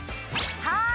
はい！